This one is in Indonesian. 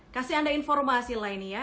kasih anda informasi lah ini ya